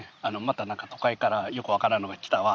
「また都会からよくわからんのが来たわ」